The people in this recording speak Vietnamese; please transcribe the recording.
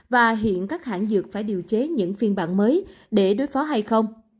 và hiện các hãng dược phải điều chế những phiên bản mới để đối phó hay không